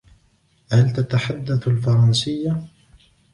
هل تتحدث الفرنسية؟